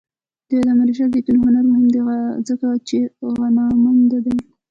د علامه رشاد لیکنی هنر مهم دی ځکه چې غنامند دی.